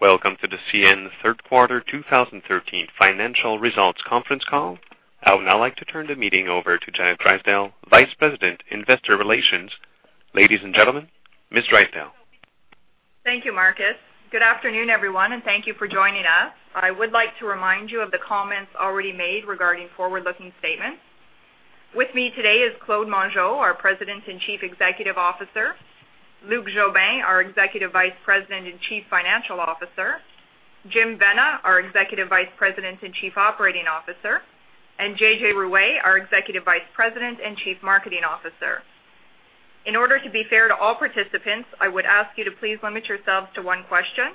Welcome to the CN third quarter 2013 financial results conference call. I would now like to turn the meeting over to Janet, Vice President, Investor Relations. Ladies and gentlemen, Ms. Drysdale. Thank you, Marcus. Good afternoon, everyone, and thank you for joining us. I would like to remind you of the comments already made regarding forward-looking statements. With me today is Claude Mongeau, our President and Chief Executive Officer, Luc Jobin, our Executive Vice President and Chief Financial Officer, Jim Vena, our Executive Vice President and Chief Operating Officer, and JJ Ruest, our Executive Vice President and Chief Marketing Officer. In order to be fair to all participants, I would ask you to please limit yourselves to one question.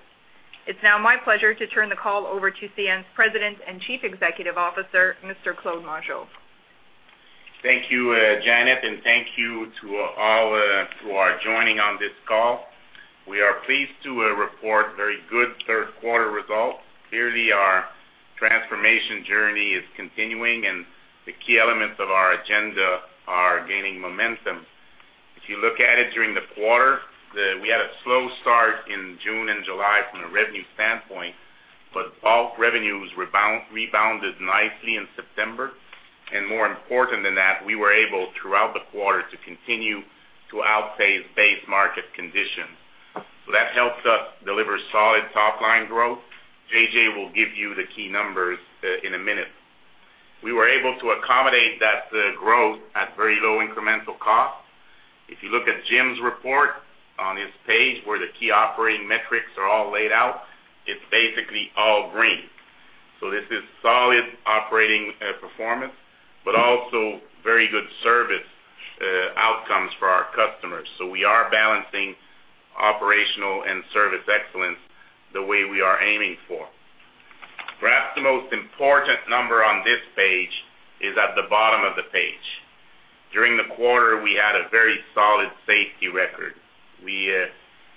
It's now my pleasure to turn the call over to CN's President and Chief Executive Officer, Mr. Claude Mongeau. Thank you, Janet, and thank you to all who are joining on this call. We are pleased to report very good third quarter results. Clearly, our transformation journey is continuing, and the key elements of our agenda are gaining momentum. If you look at it during the quarter, we had a slow start in June and July from a revenue standpoint, but all revenues rebounded nicely in September, and more important than that, we were able, throughout the quarter, to continue to outpace base market conditions. So that helped us deliver solid top-line growth. JJ will give you the key numbers in a minute. We were able to accommodate that growth at very low incremental cost. If you look at Jim's report on his page, where the key operating metrics are all laid out, it's basically all green. So this is solid operating performance, but also very good service outcomes for our customers. We are balancing operational and service excellence the way we are aiming for. Perhaps the most important number on this page is at the bottom of the page. During the quarter, we had a very solid safety record.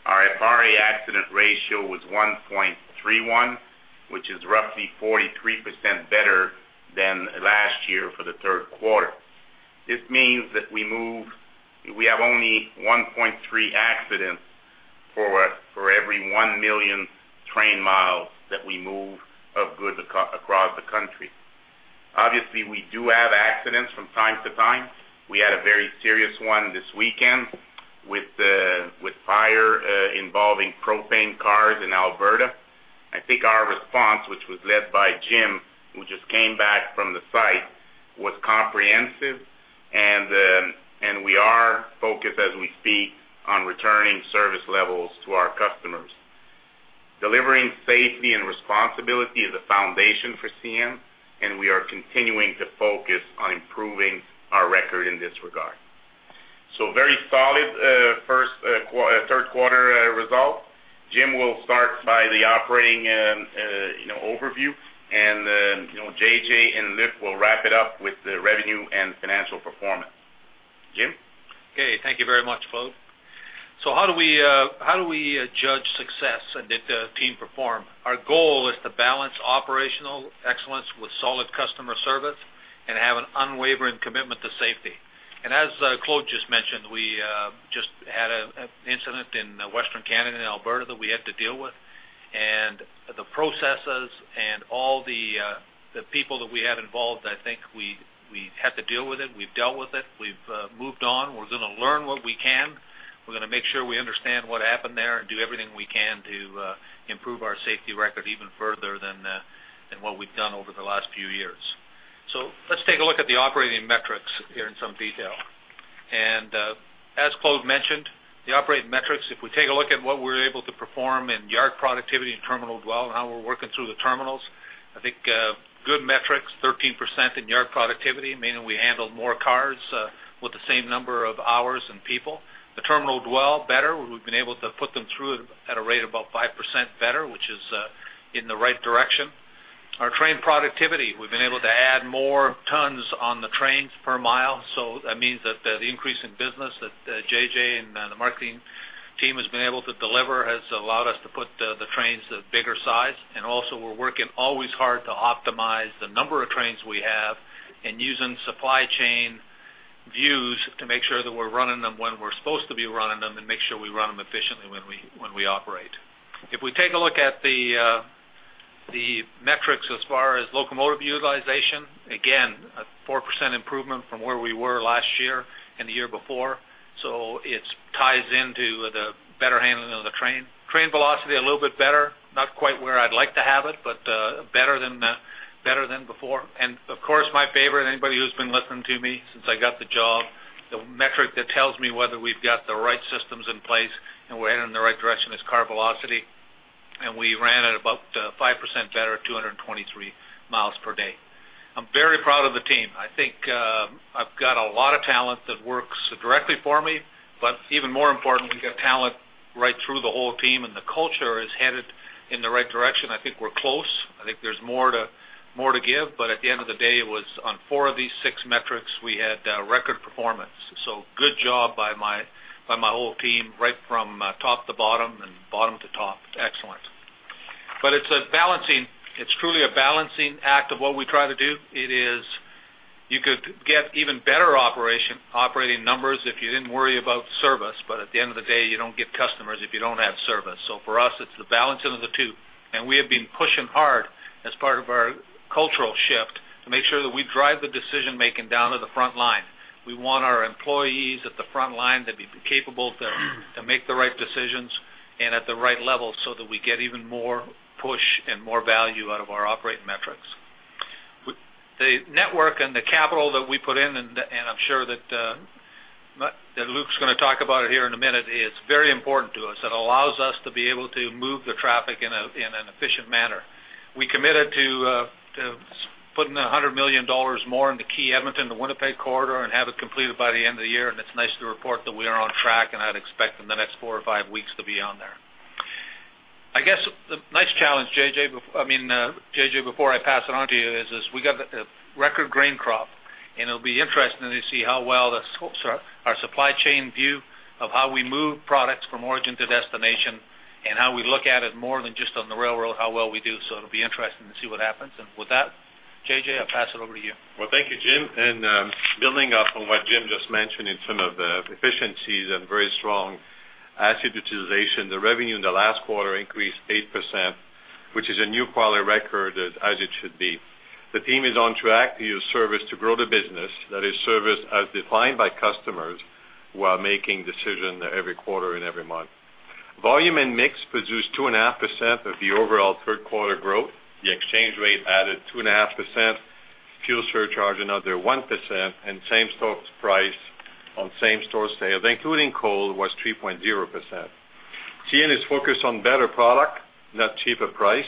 Our FRA accident ratio was 1.31, which is roughly 43% better than last year for the third quarter. This means that we have only 1.3 accidents for every 1 million train mi that we move of goods across the country. Obviously, we do have accidents from time to time. We had a very serious one this weekend with fire involving propane cars in Alberta. I think our response, which was led by Jim, who just came back from the site, was comprehensive and we are focused, as we speak, on returning service levels to our customers. Delivering safety and responsibility is a foundation for CN, and we are continuing to focus on improving our record in this regard. So very solid third quarter result. Jim will start by the operating, you know, overview, and then, you know, JJ and Luc will wrap it up with the revenue and financial performance. Jim? Okay, thank you very much, Claude. So how do we, how do we, judge success and did the team perform? Our goal is to balance operational excellence with solid customer service and have an unwavering commitment to safety. And as Claude just mentioned, we just had an incident in Western Canada, in Alberta, that we had to deal with. And the processes and all the people that we had involved, I think we had to deal with it. We've dealt with it. We've moved on. We're gonna learn what we can. We're gonna make sure we understand what happened there and do everything we can to improve our safety record even further than what we've done over the last few years. So let's take a look at the operating metrics here in some detail. As Claude mentioned, the operating metrics, if we take a look at what we're able to perform in yard productivity and terminal dwell, and how we're working through the terminals, I think good metrics, 13% in yard productivity, meaning we handled more cars with the same number of hours and people. The terminal dwell, better. We've been able to put them through at a rate about 5% better, which is in the right direction. Our train productivity, we've been able to add more tons on the trains per mile, so that means that the increase in business that JJ and the marketing team has been able to deliver has allowed us to put the trains to bigger size. And also, we're working always hard to optimize the number of trains we have and using supply chain views to make sure that we're running them when we're supposed to be running them, and make sure we run them efficiently when we operate. If we take a look at the metrics as far as locomotive utilization, again, a 4% improvement from where we were last year and the year before, so it ties into the better handling of the train. Train velocity, a little bit better, not quite where I'd like to have it, but better than before. Of course, my favorite, anybody who's been listening to me since I got the job, the metric that tells me whether we've got the right systems in place and we're headed in the right direction, is car velocity, and we ran at about, 5% better, 223 mi per day. I'm very proud of the team. I think, I've got a lot of talent that works directly for me, but even more important, we've got talent right through the whole team, and the culture is headed in the right direction. I think we're close. I think there's more to, more to give, but at the end of the day, it was on four of these six metrics, we had, record performance. So good job by my, by my whole team, right from, top to bottom and bottom to top. Excellent. But it's a balancing, it's truly a balancing act of what we try to do. It is. You could get even better operation, operating numbers if you didn't worry about service, but at the end of the day, you don't get customers if you don't have service. So for us, it's the balancing of the two, and we have been pushing hard as part of our cultural shift to make sure that we drive the decision-making down to the front line. We want our employees at the front line to be capable to, to make the right decisions and at the right level so that we get even more push and more value out of our operating metrics. With the network and the capital that we put in, and, and I'm sure that that Luc's gonna talk about it here in a minute, it's very important to us. It allows us to be able to move the traffic in an efficient manner. We committed to putting $100 million more in the key Edmonton to Winnipeg corridor and have it completed by the end of the year, and it's nice to report that we are on track, and I'd expect in the next four or five weeks to be on there. I guess the nice challenge, JJ, before, I mean, JJ, before I pass it on to you, is we got a record grain crop, and it'll be interesting to see how well the scope, our supply chain view of how we move products from origin to destination, and how we look at it more than just on the railroad, how well we do. So it'll be interesting to see what happens. With that, JJ, I'll pass it over to you. Well, thank you, Jim. Building up on what Jim just mentioned in terms of the efficiencies and very strong asset utilization, the revenue in the last quarter increased 8%, which is a new quarterly record, as it should be. The team is on track to use service to grow the business, that is, service as defined by customers, while making decision every quarter and every month. Volume and mix produced 2.5% of the overall third quarter growth. The exchange rate added 2.5%, fuel surcharge, another 1%, and same stores price on same stores sales, including coal, was 3.0%. CN is focused on better product, not cheaper price.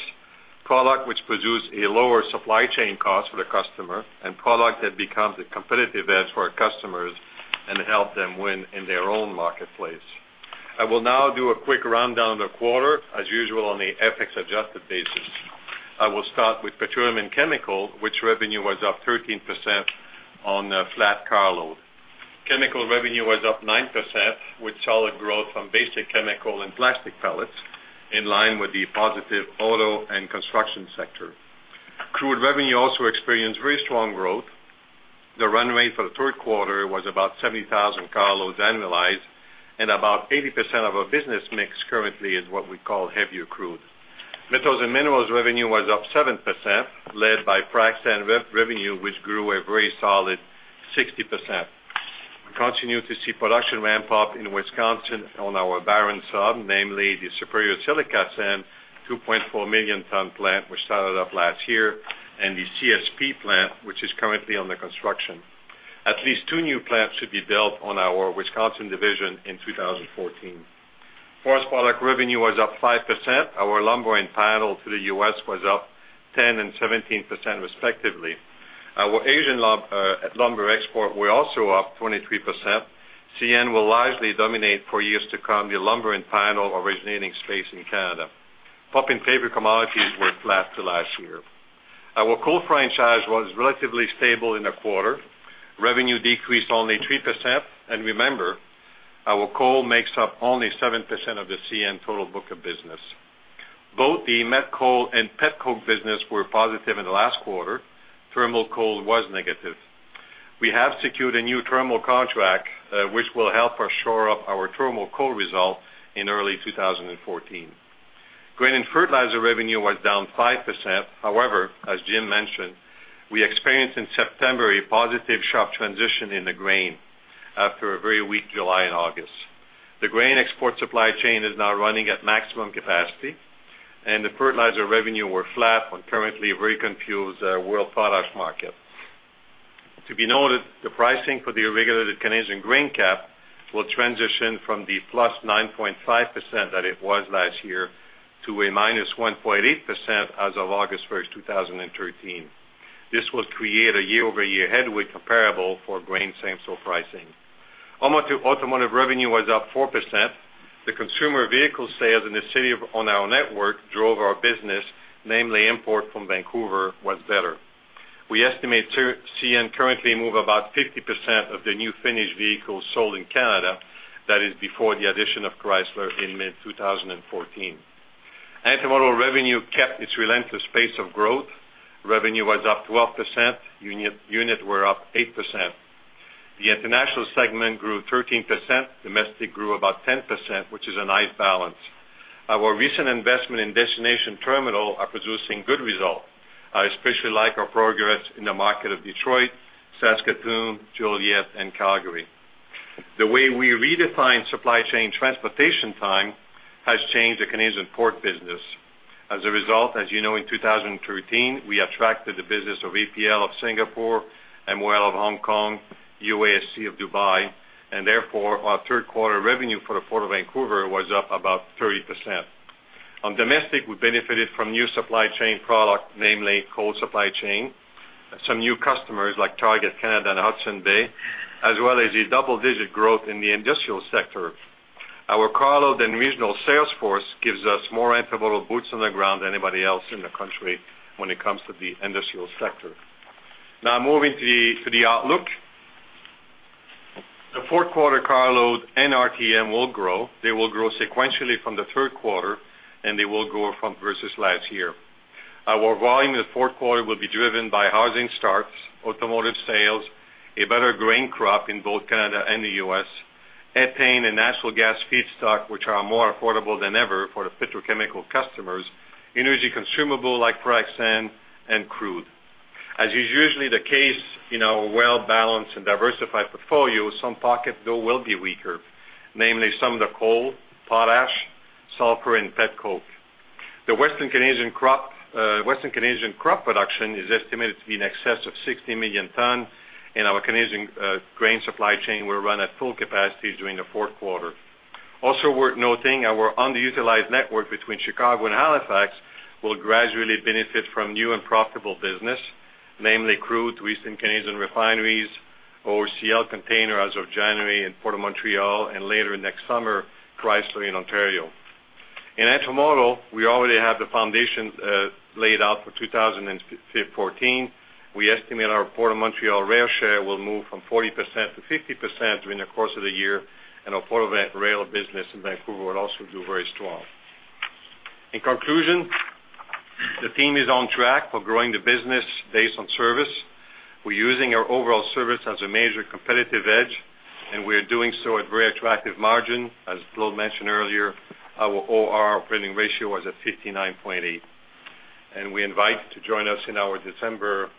Product which produce a lower supply chain cost for the customer, and product that becomes a competitive edge for our customers and help them win in their own marketplace. I will now do a quick rundown of the quarter, as usual, on the FX adjusted basis. I will start with petroleum and chemical, which revenue was up 13% on a flat carload. Chemical revenue was up 9%, with solid growth from basic chemical and plastic pellets, in line with the positive auto and construction sector. Crude revenue also experienced very strong growth. The runway for the third quarter was about 70,000 carloads annualized, and about 80% of our business mix currently is what we call heavier crude. Metals and minerals revenue was up 7%, led by frac sand revenue, which grew a very solid 60%. We continue to see production ramp up in Wisconsin on our Barron Sub, namely the Superior Silica Sand 2.4 million ton plant, which started up last year, and the CSP plant, which is currently under construction. At least two new plants should be built on our Wisconsin division in 2014. Forest product revenue was up 5%. Our lumber and panel to the US was up 10% and 17%, respectively. Our Asian lumber exports were also up 23%. CN will largely dominate for years to come, the lumber and panel originating space in Canada. Pulp and paper commodities were flat to last year. Our coal franchise was relatively stable in the quarter. Revenue decreased only 3%, and remember, our coal makes up only 7% of the CN total book of business. Both the met coal and pet coke business were positive in the last quarter. Thermal coal was negative. We have secured a new thermal contract, which will help us shore up our thermal coal result in early 2014. Grain and fertilizer revenue was down 5%. However, as Jim mentioned, we experienced in September a positive sharp transition in the grain after a very weak July and August. The grain export supply chain is now running at maximum capacity, and the fertilizer revenue were flat on currently a very confused world product market. To be noted, the pricing for the regulated Canadian grain cap will transition from the +9.5% that it was last year to a -1.8% as of August 1st, 2013. This will create a year-over-year headwind comparable for grain same store pricing. Automotive revenue was up 4%. The consumer vehicle sales in the cities on our network drove our business, namely imports from Vancouver were better. We estimate CN currently moves about 50% of the new finished vehicles sold in Canada. That is before the addition of Chrysler in mid-2014. Intermodal revenue kept its relentless pace of growth. Revenue was up 12%, units were up 8%. The international segment grew 13%, domestic grew about 10%, which is a nice balance. Our recent investment in destination terminals are producing good results. I especially like our progress in the markets of Detroit, Saskatoon, Joliet, and Calgary. The way we redefine supply chain transportation time has changed the Canadian port business. As a result, as you know, in 2013, we attracted the business of APL of Singapore, MOL of Hong Kong, UASC of Dubai, and therefore, our third quarter revenue for the Port of Vancouver was up about 30%. On domestic, we benefited from new supply chain product, namely coal supply chain, some new customers like Target Canada and Hudson's Bay, as well as a double-digit growth in the industrial sector. Our carload and regional sales force gives us more intermodal boots on the ground than anybody else in the country when it comes to the industrial sector. Now moving to the outlook. The fourth quarter carload and RTM will grow. They will grow sequentially from the third quarter, and they will grow from versus last year. Our volume in the fourth quarter will be driven by housing starts, automotive sales, a better grain crop in both Canada and the U.S., ethane and natural gas feedstock, which are more affordable than ever for the petrochemical customers, energy consumable like proppant and crude. As is usually the case, in our well-balanced and diversified portfolio, some pockets, though, will be weaker, namely some of the coal, potash, sulfur, and petcoke. The Western Canadian crop production is estimated to be in excess of 60 million tons, and our Canadian grain supply chain will run at full capacity during the fourth quarter. Also worth noting, our underutilized network between Chicago and Halifax will gradually benefit from new and profitable business, namely crude to Eastern Canadian refineries or ACL container as of January in Port of Montreal and later next summer, Chrysler in Ontario. In intermodal, we already have the foundations laid out for 2014. We estimate our Port of Montreal rail share will move from 40%-50% during the course of the year, and our port of rail business in Vancouver will also do very strong. In conclusion, the team is on track for growing the business based on service. We're using our overall service as a major competitive edge, and we are doing so at very attractive margin. As Claude mentioned earlier, our OR operating ratio was at 59.8, and we invite you to join us in our December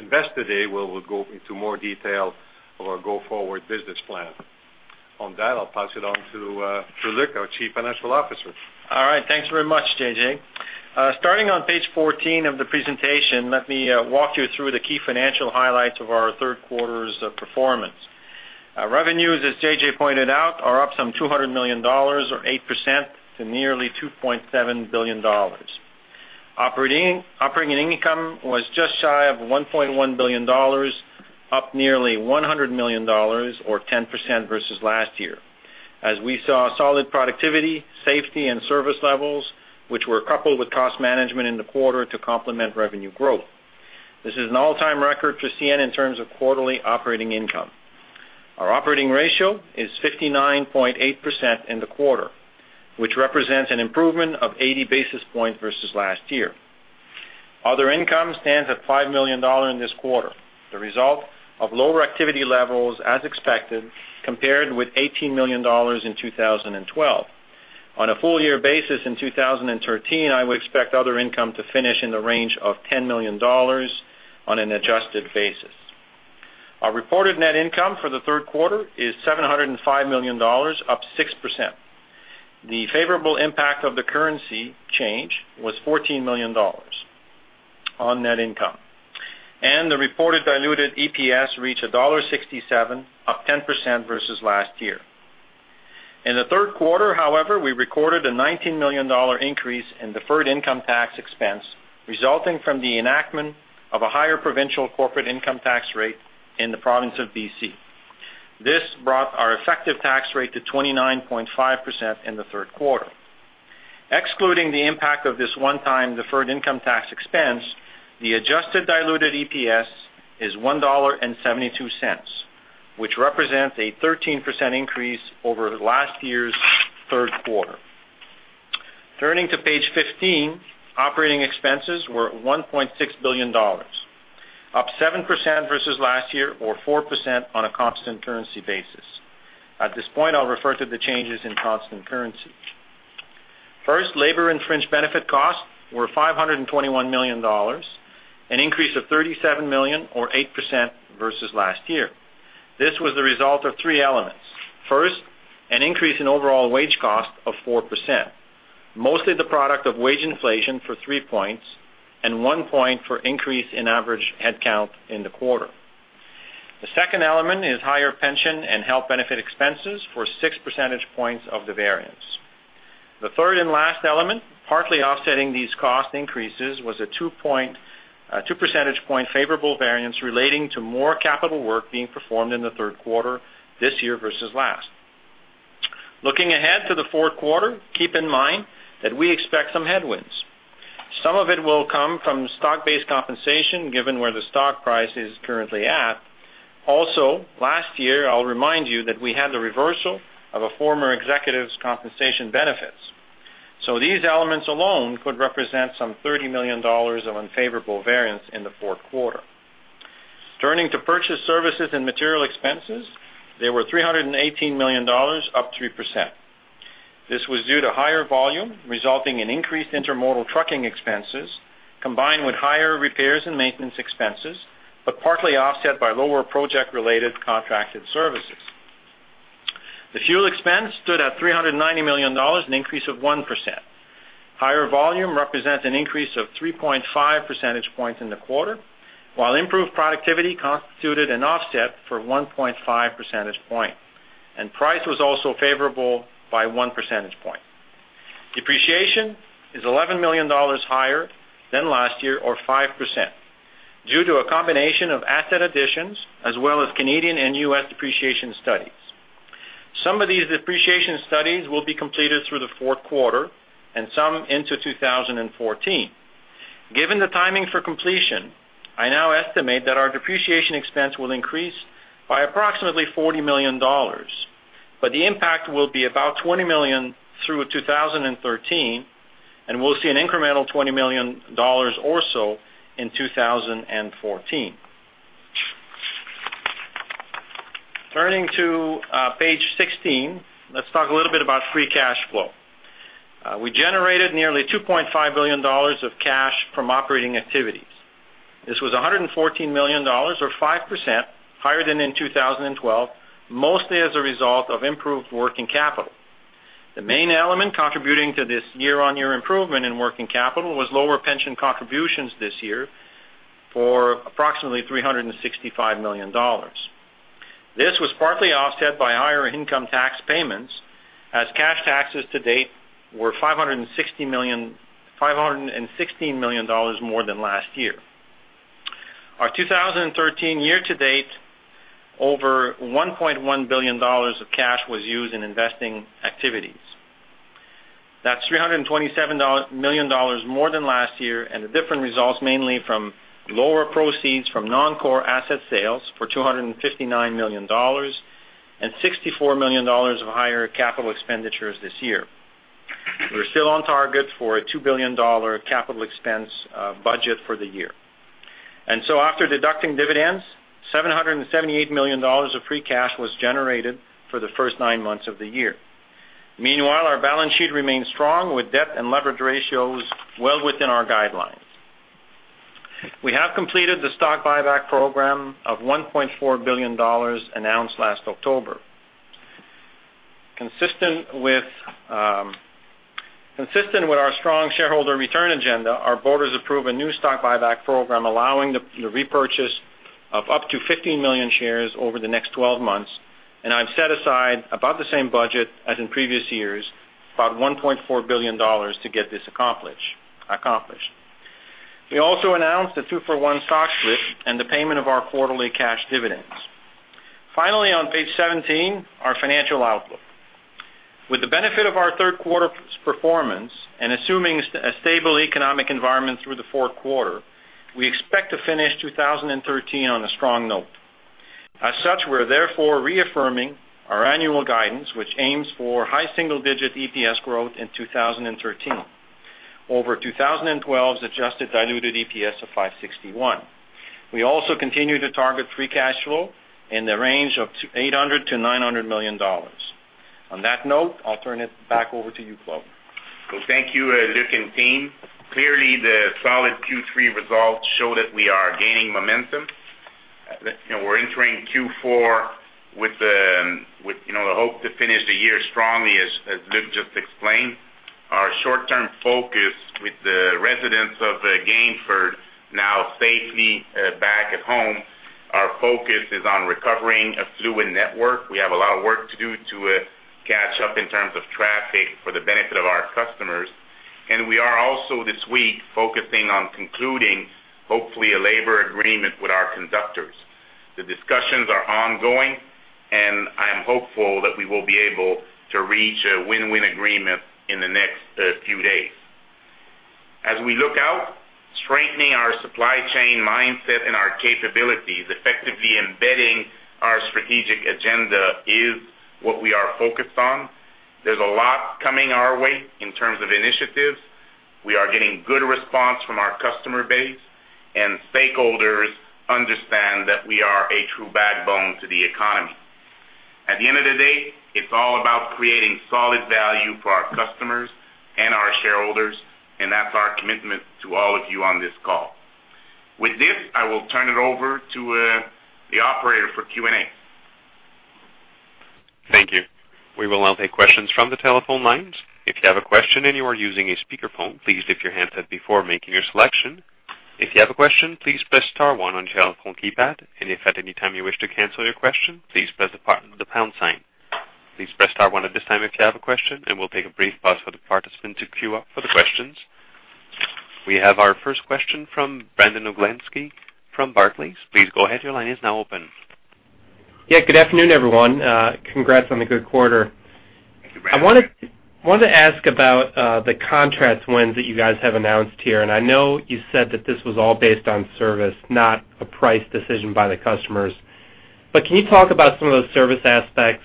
Investor Day, where we'll go into more detail of our go-forward business plan. On that, I'll pass it on to Luc, our Chief Financial Officer. All right. Thanks very much, JJ. Starting on page 14 of the presentation, let me walk you through the key financial highlights of our third quarter's performance. Our revenues, as JJ pointed out, are up some $200 million or 8% to nearly $2.7 billion. Operating income was just shy of $1.1 billion, up nearly $100 million or 10% versus last year, as we saw solid productivity, safety, and service levels, which were coupled with cost management in the quarter to complement revenue growth. This is an all-time record for CN in terms of quarterly operating income. Our operating ratio is 59.8% in the quarter, which represents an improvement of 80 basis points versus last year. Other income stands at $5 million in this quarter, the result of lower activity levels, as expected, compared with $18 million in 2012. On a full-year basis in 2013, I would expect other income to finish in the range of $10 million on an adjusted basis. Our reported net income for the third quarter is $705 million, up 6%. The favorable impact of the currency change was $14 million on net income, and the reported diluted EPS reached $1.67, up 10% versus last year. In the third quarter, however, we recorded a $19 million increase in deferred income tax expense, resulting from the enactment of a higher provincial corporate income tax rate in the province of B.C. This brought our effective tax rate to 29.5% in the third quarter. Excluding the impact of this one-time deferred income tax expense, the adjusted diluted EPS is $1.72, which represents a 13% increase over last year's third quarter. Turning to page 15, operating expenses were $1.6 billion, up 7% versus last year or 4% on a constant currency basis. At this point, I'll refer to the changes in constant currency. First, labor and fringe benefit costs were $521 million, an increase of $37 million or 8% versus last year. This was the result of three elements. First, an increase in overall wage cost of 4%, mostly the product of wage inflation for 3 points and 1 point for increase in average headcount in the quarter. The second element is higher pension and health benefit expenses for 6 percentage points of the variance. The third and last element, partly offsetting these cost increases, was a 2 percentage point favorable variance relating to more capital work being performed in the third quarter this year versus last. Looking ahead to the fourth quarter, keep in mind that we expect some headwinds. Some of it will come from stock-based compensation, given where the stock price is currently at. Also, last year, I'll remind you that we had the reversal of a former executive's compensation benefits. So these elements alone could represent some $30 million of unfavorable variance in the fourth quarter. Turning to purchase services and material expenses, they were $318 million, up 3%. This was due to higher volume, resulting in increased intermodal trucking expenses, combined with higher repairs and maintenance expenses, but partly offset by lower project-related contracted services. The fuel expense stood at $390 million, an increase of 1%. Higher volume represents an increase of 3.5 percentage points in the quarter, while improved productivity constituted an offset for 1.5 percentage point, and price was also favorable by 1 percentage point. Depreciation is $11 million higher than last year, or 5%, due to a combination of asset additions as well as Canadian and U.S. depreciation studies. Some of these depreciation studies will be completed through the fourth quarter and some into 2014. Given the timing for completion, I now estimate that our depreciation expense will increase by approximately $40 million, but the impact will be about $20 million through 2013, and we'll see an incremental $20 million or so in 2014. Turning to page 16, let's talk a little bit about free cash flow. We generated nearly $2.5 billion of cash from operating activities. This was $114 million, or 5%, higher than in 2012, mostly as a result of improved working capital. The main element contributing to this year-on-year improvement in working capital was lower pension contributions this year for approximately $365 million. This was partly offset by higher income tax payments, as cash taxes to date were $516 million more than last year. Our 2013 year-to-date, over $1.1 billion of cash was used in investing activities. That's $327 million more than last year, and the different results mainly from lower proceeds from non-core asset sales for $259 million and $64 million of higher capital expenditures this year. We're still on target for a $2 billion capital expense budget for the year. And so after deducting dividends, $778 million of free cash was generated for the first nine months of the year. Meanwhile, our balance sheet remains strong, with debt and leverage ratios well within our guidelines. We have completed the stock buyback program of $1.4 billion announced last October. Consistent with our strong shareholder return agenda, our voters approve a new stock buyback program allowing the repurchase of up to 15 million shares over the next 12 months, and I've set aside about the same budget as in previous years, about $1.4 billion to get this accomplished. We also announced a 2-for-1 stock split and the payment of our quarterly cash dividends. Finally, on page 17, our financial outlook. With the benefit of our third quarter performance, and assuming a stable economic environment through the fourth quarter, we expect to finish 2013 on a strong note. As such, we're therefore reaffirming our annual guidance, which aims for high single-digit EPS growth in 2013, over 2012's adjusted diluted EPS of $5.61. We also continue to target free cash flow in the range of $800 million-$900 million. On that note, I'll turn it back over to you, Claude. Well, thank you, Luc and team. Clearly, the solid Q3 results show that we are gaining momentum. You know, we're entering Q4 with, you know, the hope to finish the year strongly, as Luc just explained. Our short-term focus with the residents of Gainford now safely back at home, our focus is on recovering a fluid network. We have a lot of work to do to catch up in terms of traffic for the benefit of our customers. We are also, this week, focusing on concluding, hopefully, a labor agreement with our conductors. The discussions are ongoing, and I'm hopeful that we will be able to reach a win-win agreement in the next few days. As we look out, strengthening our supply chain mindset and our capabilities, effectively embedding our strategic agenda is what we are focused on. There's a lot coming our way in terms of initiatives. We are getting good response from our customer base, and stakeholders understand that we are a true backbone to the economy. At the end of the day, it's all about creating solid value for our customers and our shareholders, and that's our commitment to all of you on this call. With this, I will turn it over to the operator for Q&A. Thank you. We will now take questions from the telephone lines. If you have a question and you are using a speakerphone, please lift your handset before making your selection. If you have a question, please press star one on your telephone keypad, and if at any time you wish to cancel your question, please press the pound, the pound sign. Please press star one at this time if you have a question, and we'll take a brief pause for the participant to queue up for the questions. We have our first question from Brandon Oglenski from Barclays. Please go ahead. Your line is now open. Yeah, good afternoon, everyone. Congrats on the good quarter. Thank you, Brandon. I wanted to ask about the contract wins that you guys have announced here, and I know you said that this was all based on service, not a price decision by the customers. But can you talk about some of those service aspects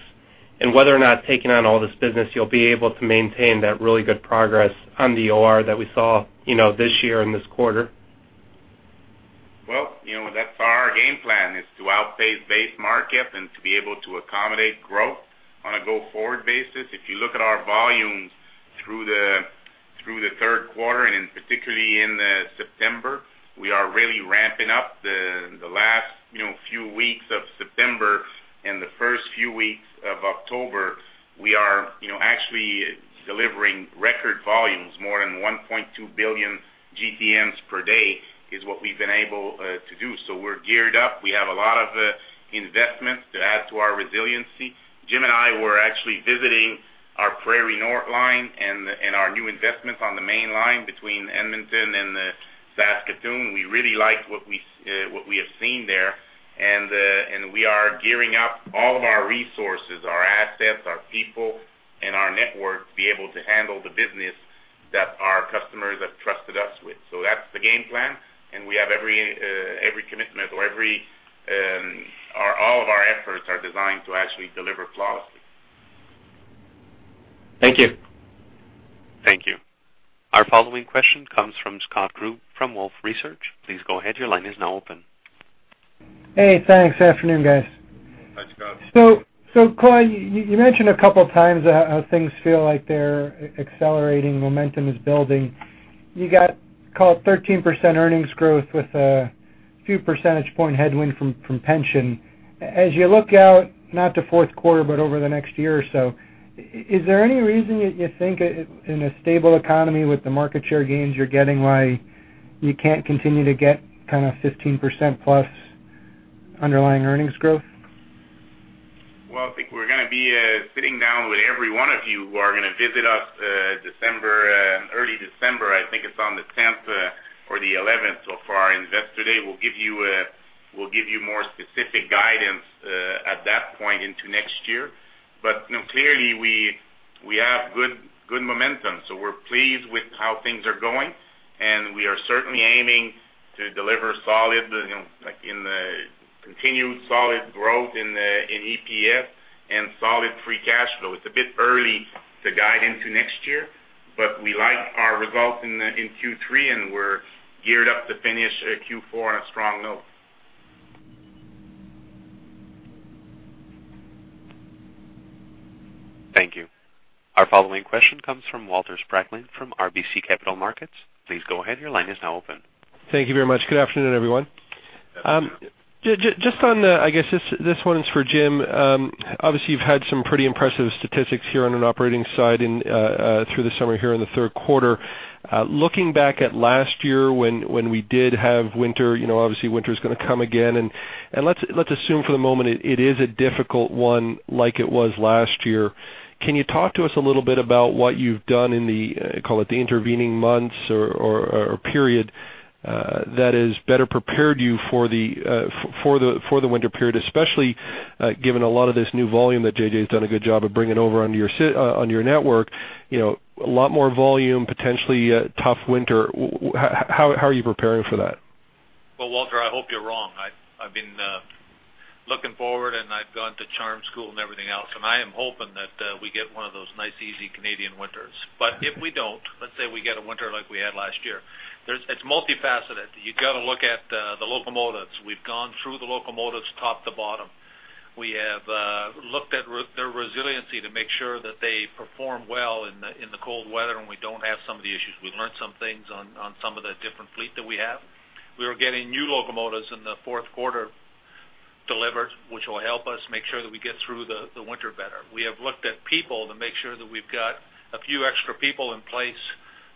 and whether or not taking on all this business, you'll be able to maintain that really good progress on the OR that we saw, you know, this year and this quarter? Well, you know, that's our game plan, is to outpace base market and to be able to accommodate growth on a go-forward basis. If you look at our volumes through the third quarter, and particularly in September, we are really ramping up. The last, you know, few weeks of September and the first few weeks of October, we are, you know, actually delivering record volumes. More than 1.2 billion GTMs per day is what we've been able to do. So we're geared up. We have a lot of investments to add to our resiliency. Jim and I were actually visiting our Prairie North Line and our new investments on the main line between Edmonton and Saskatoon. We really like what we have seen there, and, and we are gearing up all of our resources, our assets, our people, our network to be able to handle the business that our customers have trusted us with. So that's the game plan, and we have every, every commitment or every, all of our efforts are designed to actually deliver flawlessly. Thank you. Thank you. Our following question comes from Scott Group from Wolfe Research. Please go ahead. Your line is now open. Hey, thanks. Afternoon, guys. Hi, Scott. So, Claude, you, you mentioned a couple of times how, how things feel like they're accelerating, momentum is building. You got, call it 13% earnings growth with a few percentage point headwind from, from pension. As you look out, not to fourth quarter, but over the next year or so, is there any reason you, you think in, in a stable economy with the market share gains you're getting, why you can't continue to get kind of 15%+ underlying earnings growth? Well, I think we're gonna be sitting down with every one of you who are gonna visit us, December, early December. I think it's on the 10th or the 11th. So for our Investor Day, we'll give you we'll give you more specific guidance at that point into next year. But, you know, clearly, we have good momentum, so we're pleased with how things are going, and we are certainly aiming to deliver solid, you know, like, continued solid growth in EPS and solid free cash flow. It's a bit early to guide into next year, but we like our results in Q3, and we're geared up to finish Q4 on a strong note. Thank you. Our following question comes from Walter Spracklin, from RBC Capital Markets. Please go ahead. Your line is now open. Thank you very much. Good afternoon, everyone. Afternoon. Just on, I guess this one is for Jim. Obviously, you've had some pretty impressive statistics here on an operating side through the summer here in the third quarter. Looking back at last year when we did have winter, you know, obviously, winter is gonna come again, and let's assume for the moment it is a difficult one like it was last year. Can you talk to us a little bit about what you've done in the intervening months or period that has better prepared you for the winter period, especially given a lot of this new volume that JJ has done a good job of bringing over on your network, you know, a lot more volume, potentially, a tough winter. How are you preparing for that? Well, Walter, I hope you're wrong. I've, I've been looking forward, and I've gone to charm school and everything else, and I am hoping that we get one of those nice, easy Canadian winters. But if we don't, let's say we get a winter like we had last year. There is. It's multifaceted. You've got to look at the locomotives. We've gone through the locomotives top to bottom. We have looked at their resiliency to make sure that they perform well in the cold weather, and we don't have some of the issues. We've learned some things on some of the different fleet that we have. We are getting new locomotives in the fourth quarter delivered, which will help us make sure that we get through the winter better. We have looked at people to make sure that we've got a few extra people in place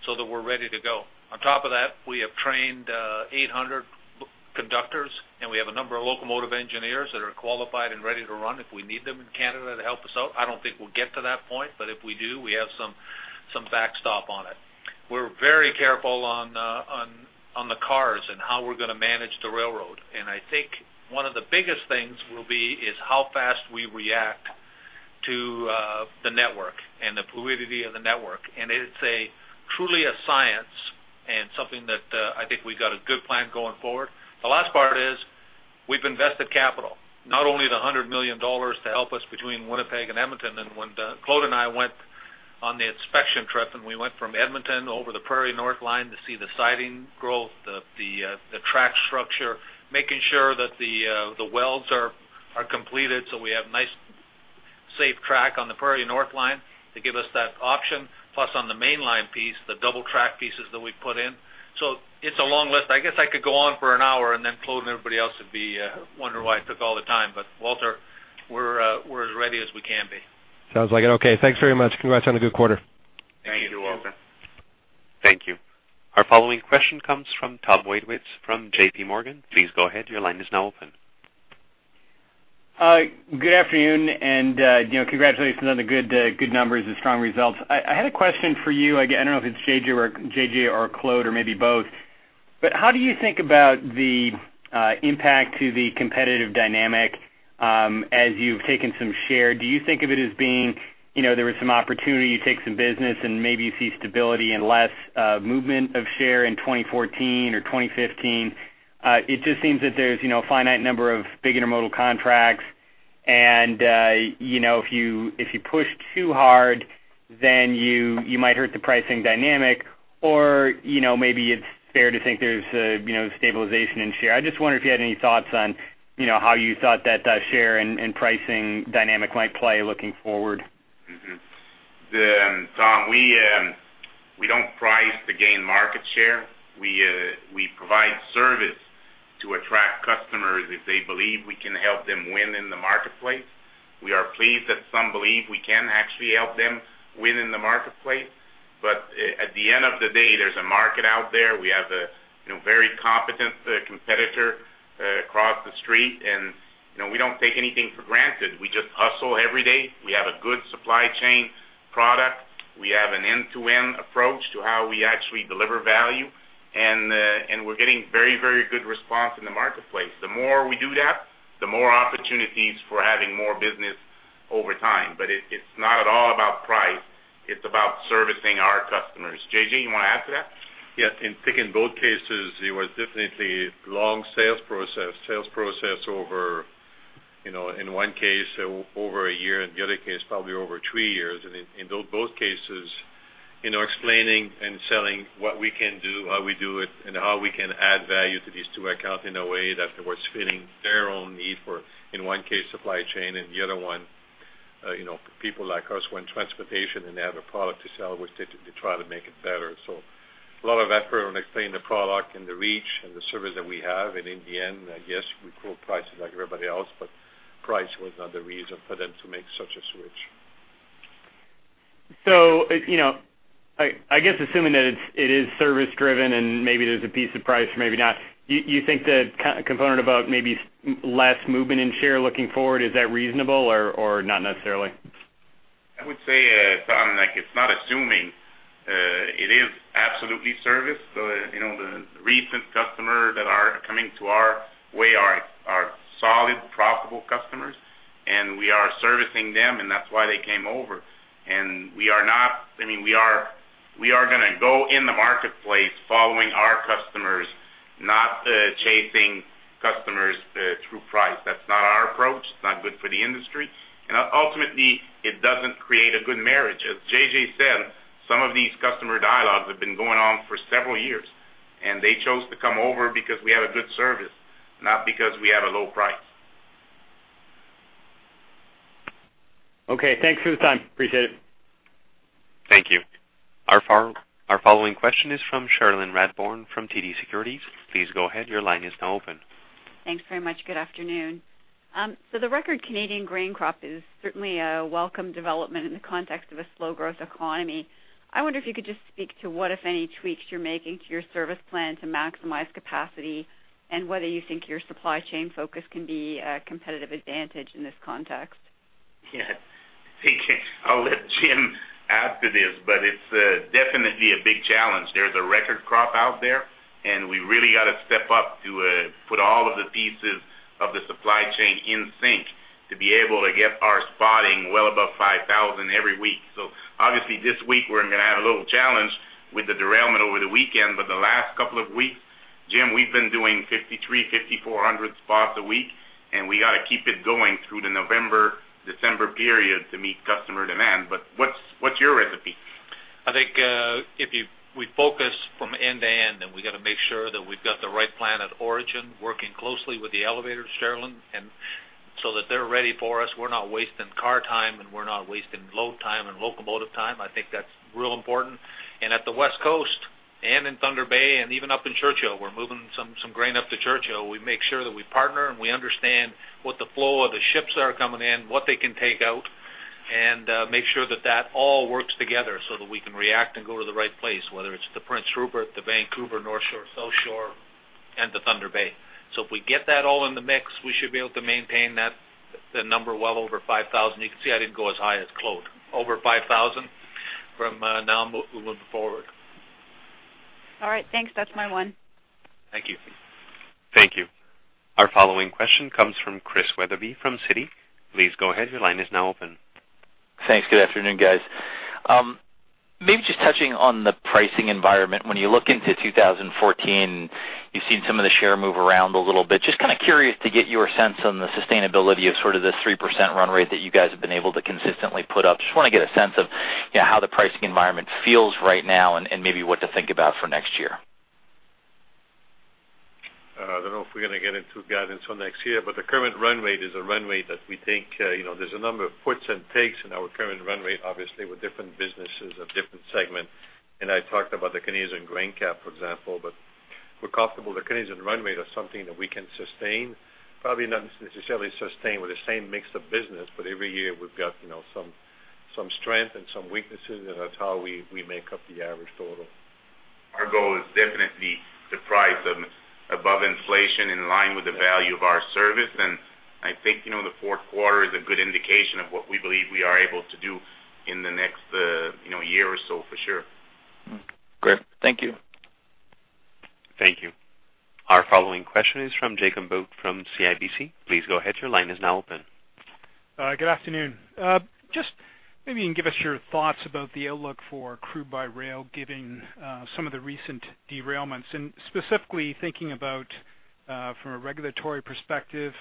so that we're ready to go. On top of that, we have trained, 800 conductors, and we have a number of locomotive engineers that are qualified and ready to run if we need them in Canada to help us out. I don't think we'll get to that point, but if we do, we have some backstop on it. We're very careful on, on, on the cars and how we're gonna manage the railroad, and I think one of the biggest things will be, is how fast we react to, the network and the fluidity of the network. And it's a truly a science and something that, I think we've got a good plan going forward. The last part is, we've invested capital, not only $100 million to help us between Winnipeg and Edmonton, and when Claude and I went on the inspection trip, and we went from Edmonton over the Prairie North Line to see the siding growth, the track structure, making sure that the welds are completed, so we have nice, safe track on the Prairie North Line to give us that option, plus on the mainline piece, the double track pieces that we put in. So it's a long list. I guess I could go on for an hour, and then Claude and everybody else would be wondering why I took all the time. But Walter, we're as ready as we can be. Sounds like it. Okay, thanks very much. Congrats on a good quarter. Thank you, Walter. Thank you. Thank you. Our following question comes from Tom Wadewitz from JPMorgan. Please go ahead. Your line is now open. Good afternoon, and you know, congratulations on the good numbers and strong results. I had a question for you. Again, I don't know if it's JJ or Claude or maybe both, but how do you think about the impact to the competitive dynamic as you've taken some share? Do you think of it as being, you know, there was some opportunity, you take some business, and maybe you see stability and less movement of share in 2014 or 2015? It just seems that there's, you know, a finite number of big intermodal contracts, and you know, if you push too hard, then you might hurt the pricing dynamic, or, you know, maybe it's fair to think there's a stabilization in share. I just wonder if you had any thoughts on, you know, how you thought that, share and pricing dynamic might play looking forward? Mm-hmm. Then, Tom, we don't price to gain market share. We provide service to attract customers if they believe we can help them win in the marketplace. We are pleased that some believe we can actually help them win in the marketplace. But at the end of the day, there's a market out there. We have a, you know, very competent competitor across the street, and, you know, we don't take anything for granted. We just hustle every day. We have a good supply chain product. We have an end-to-end approach to how we actually deliver value, and we're getting very, very good response in the marketplace. The more we do that, the more opportunities for having more business over time. But it's not at all about price, it's about servicing our customers. JJ, you wanna add to that? Yes. I think in both cases, it was definitely long sales process. Sales process over, you know, in one case, over a year, in the other case, probably over three years. And in both cases, you know, explaining and selling what we can do, how we do it, and how we can add value to these two accounts in a way that was fitting their own need for, in one case, supply chain, and the other one, you know, people like us, when transportation and they have a product to sell, which they to try to make it better. So a lot of effort on explaining the product and the reach and the service that we have. And in the end, I guess, we quote prices like everybody else, but price was not the reason for them to make such a switch. So, you know, I guess assuming that it is service driven and maybe there's a piece of price or maybe not, you think the key component about maybe less movement in share looking forward, is that reasonable or not necessarily? I would say, Tom, like, it's not assuming, it is absolutely service. So you know, the recent customer that are coming to our way are solid, profitable customers, and we are servicing them, and that's why they came over. And we are not—I mean, we are gonna go in the marketplace following our customers, not chasing customers through price. That's not our approach. It's not good for the industry, and ultimately, it doesn't create a good marriage. As JJ said, some of these customer dialogues have been going on for several years, and they chose to come over because we have a good service, not because we have a low price. Okay, thanks for the time. Appreciate it. Thank you. Our following question is from Cherilyn Radbourne from TD Securities. Please go ahead. Your line is now open. Thanks very much. Good afternoon. So the record Canadian grain crop is certainly a welcome development in the context of a slow growth economy. I wonder if you could just speak to what, if any, tweaks you're making to your service plan to maximize capacity, and whether you think your supply chain focus can be a competitive advantage in this context. Yeah. I'll let Jim add to this, but it's definitely a big challenge. There's a record crop out there, and we really gotta step up to put all of the pieces of the supply chain in sync to be able to get our spotting well above 5,000 every week. So obviously, this week we're gonna have a little challenge with the derailment over the weekend, but the last couple of weeks, Jim, we've been doing 5,300, 5,400 spots a week, and we gotta keep it going through the November-December period to meet customer demand. But what's your recipe? I think, if we focus from end to end, then we gotta make sure that we've got the right plan at origin, working closely with the elevator, Cherilyn, and so that they're ready for us. We're not wasting car time, and we're not wasting load time and locomotive time. I think that's real important. And at the West Coast and in Thunder Bay and even up in Churchill, we're moving some grain up to Churchill. We make sure that we partner, and we understand what the flow of the ships are coming in, what they can take out, and make sure that that all works together so that we can react and go to the right place, whether it's the Prince Rupert, the Vancouver, North Shore, South Shore, and the Thunder Bay. So if we get that all in the mix, we should be able to maintain that, the number well over 5,000. You can see I didn't go as high as Claude. Over 5,000 from now moving forward. All right, thanks. That's my one. Thank you. Thank you. Our following question comes from Chris Wetherbee, from Citi. Please go ahead. Your line is now open. Thanks. Good afternoon, guys. Maybe just touching on the pricing environment. When you look into 2014, you've seen some of the share move around a little bit. Just kind of curious to get your sense on the sustainability of sort of this 3% run rate that you guys have been able to consistently put up. Just wanna get a sense of, you know, how the pricing environment feels right now and, and maybe what to think about for next year. I don't know if we're gonna get into guidance on next year, but the current run rate is a run rate that we think, you know, there's a number of puts and takes in our current run rate, obviously with different businesses of different segment. And I talked about the Canadian grain cap, for example, but we're comfortable the Canadian run rate is something that we can sustain, probably not necessarily sustain with the same mix of business, but every year we've got, you know, some, some strength and some weaknesses, and that's how we, we make up the average total. Our goal is definitely to price above inflation in line with the value of our service. I think, you know, the fourth quarter is a good indication of what we believe we are able to do in the next, you know, year or so, for sure. Mm-hmm. Great. Thank you. Thank you. Our following question is from Jacob Bout from CIBC. Please go ahead. Your line is now open. Good afternoon. Just maybe you can give us your thoughts about the outlook for crude by rail, given some of the recent derailments, and specifically thinking about from a regulatory perspective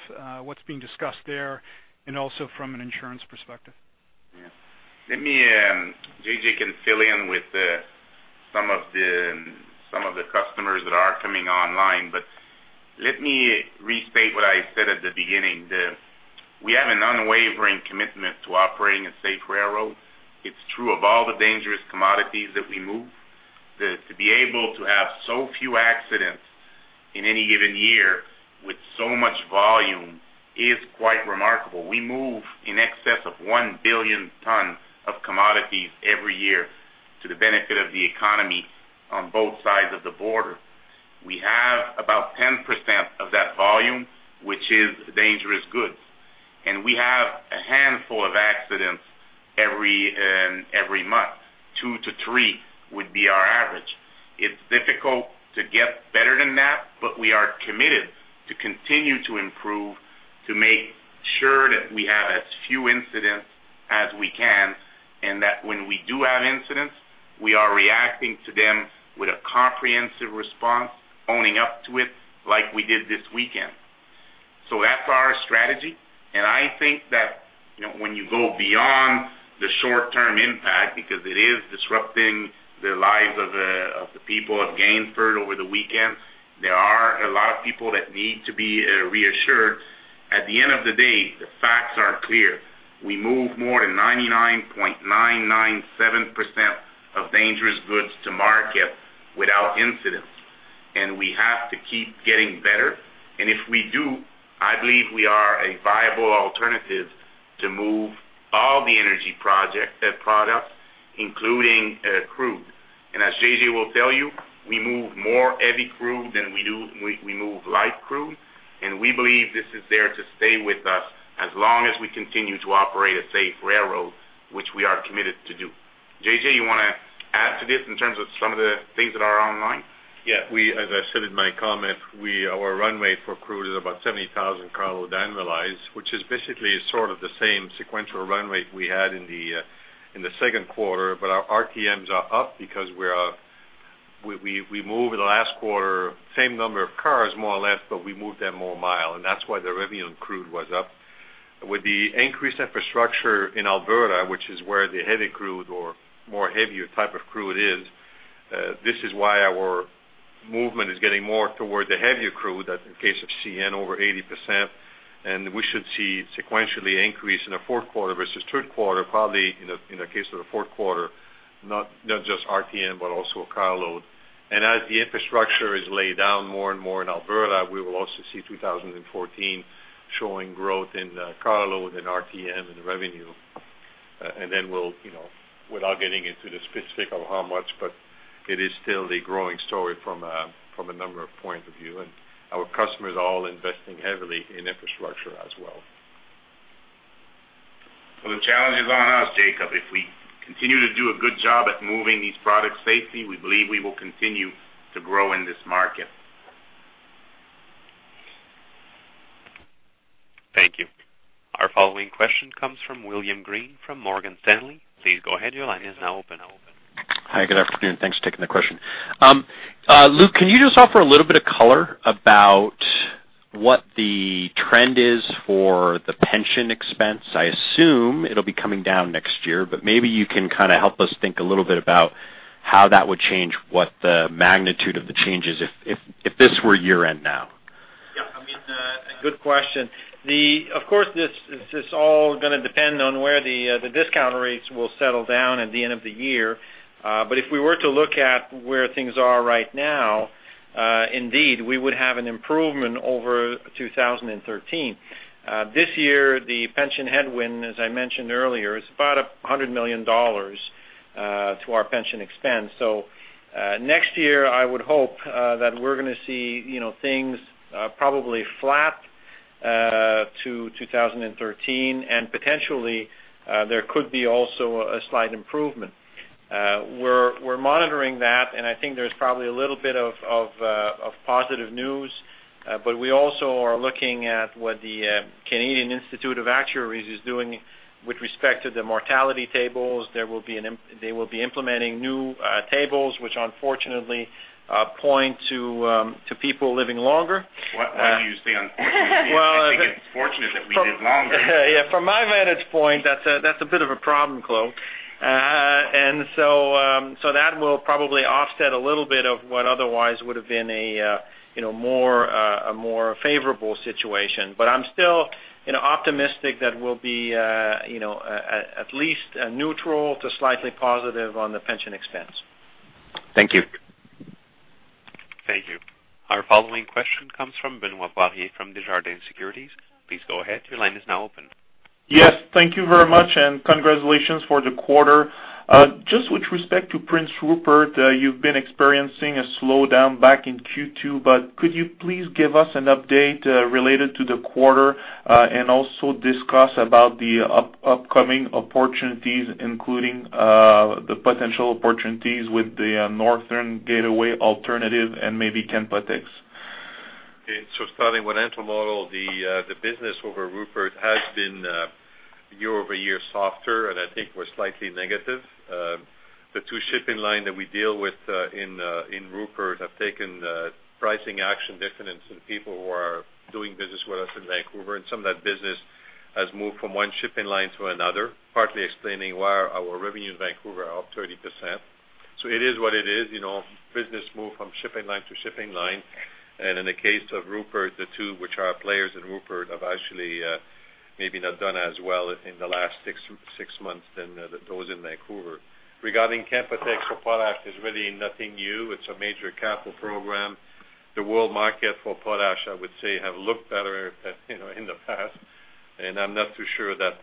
what's being discussed there, and also from an insurance perspective? Yeah. Let me, JJ can fill in with some of the customers that are coming online, but let me restate what I said at the beginning. We have an unwavering commitment to operating a safe railroad. It's true of all the dangerous commodities that we move. To be able to have so few accidents in any given year with so much volume is quite remarkable. We move in excess of 1 billion tons of commodities every year to the benefit of the economy on both sides of the border. We have about 10% of that volume, which is dangerous goods, and we have a handful of accidents every month. Two to three would be our average. It's difficult to get better than that, but we are committed to continue to improve, to make sure that we have as few incidents as we can, and that when we do have incidents, we are reacting to them with a comprehensive response, owning up to it like we did this weekend. So that's our strategy, and I think that, you know, when you go beyond the short-term impact, because it is disrupting the lives of the people of Gainford over the weekend, there are a lot of people that need to be reassured. At the end of the day, the facts are clear. We move more than 99.997% of dangerous goods to market without incidents, and we have to keep getting better. And if we do, I believe we are a viable alternative to move all the energy project products, including crude. And as JJ will tell you, we move more heavy crude than we move light crude, and we believe this is there to stay with us as long as we continue to operate a safe railroad, which we are committed to do. JJ, you wanna add to this in terms of some of the things that are online? Yeah, we, as I said in my comment, our runway for crude is about 70,000 carload annualized, which is basically sort of the same sequential run rate we had in the Q2. But our RTMs are up because we're we moved last quarter same number of cars, more or less, but we moved them more miles, and that's why the revenue on crude was up. With the increased infrastructure in Alberta, which is where the heavy crude or more heavier type of crude is, this is why our movement is getting more toward the heavier crude, that in the case of CN, over 80%. And we should see sequentially increase in the fourth quarter versus third quarter, probably in the case of the fourth quarter, not just RTM, but also carload. As the infrastructure is laid down more and more in Alberta, we will also see 2014 showing growth in carload and RTM and revenue. And then we'll, you know, without getting into the specific of how much, but it is still a growing story from a number of point of view, and our customers are all investing heavily in infrastructure as well. Well, the challenge is on us, Jacob. If we continue to do a good job at moving these products safely, we believe we will continue to grow in this market. Thank you. Our following question comes from William Greene, from Morgan Stanley. Please go ahead. Your line is now open. Hi, good afternoon. Thanks for taking the question. Luc, can you just offer a little bit of color about what the trend is for the pension expense? I assume it'll be coming down next year, but maybe you can kind of help us think a little bit about how that would change, what the magnitude of the changes if this were year-end now. Yeah, I mean, a good question. Of course, this all gonna depend on where the discount rates will settle down at the end of the year. But if we were to look at where things are right now, indeed, we would have an improvement over 2013. This year, the pension headwind, as I mentioned earlier, is about $100 million to our pension expense. So, next year, I would hope that we're gonna see, you know, things probably flat to 2013, and potentially there could be also a slight improvement. We're monitoring that, and I think there's probably a little bit of positive news, but we also are looking at what the Canadian Institute of Actuaries is doing with respect to the mortality tables. They will be implementing new tables, which unfortunately point to people living longer. Why, why do you say unfortunately? Well, uh- I think it's fortunate that we live longer. Yeah, from my vantage point, that's a, that's a bit of a problem, Claude. And so, so that will probably offset a little bit of what otherwise would have been a, you know, more, a more favorable situation. But I'm still, you know, optimistic that we'll be, you know, at, at, at least neutral to slightly positive on the pension expense. Thank you. Thank you. Our following question comes from Benoit Poirier from Desjardins Securities. Please go ahead. Your line is now open. Yes, thank you very much, and congratulations for the quarter. Just with respect to Prince Rupert, you've been experiencing a slowdown back in Q2, but could you please give us an update related to the quarter, and also discuss about the upcoming opportunities, including the potential opportunities with the Northern Gateway alternative and maybe Canpotex? Okay. So starting with intermodal, the business over Rupert has been year-over-year softer, and I think we're slightly negative. The two shipping line that we deal with in Rupert have taken pricing action different than some people who are doing business with us in Vancouver. And some of that business has moved from one shipping line to another, partly explaining why our revenue in Vancouver are up 30%. So it is what it is, you know, business move from shipping line to shipping line. And in the case of Rupert, the two, which are players in Rupert, have actually maybe not done as well in the last six months than those in Vancouver. Regarding Canpotex for potash, there's really nothing new. It's a major capital program. The world market for potash, I would say, have looked better, you know, in the past, and I'm not too sure that,